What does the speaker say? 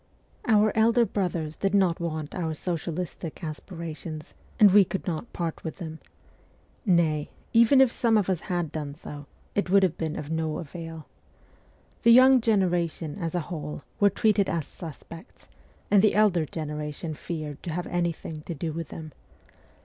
Our elder brothers did not want our socialistic aspirations, and we could not part with them. Nay, even if some of us had done so, it would have been of no avail. The young generation, as a whole, were treated as ' suspects,' and the elder generation feared to have anything to do with them.